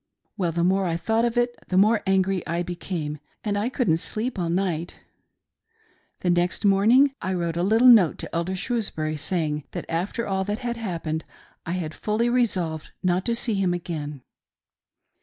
Well, the more I thought of it, the more angry I became, and I couldn't sleep all night The next morning I wrote a little note to Elder Shrewsbury, saying that after all that had happened, I had fully resolved not to see him agaiiii.